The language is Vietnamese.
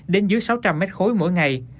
đến dưới sáu trăm linh m khối mỗi ngày